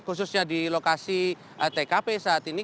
khususnya di lokasi tkp saat ini